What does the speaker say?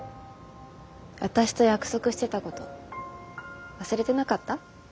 私と約束してたこと忘れてなかった？